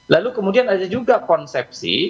lalu kemudian ada juga konsepsi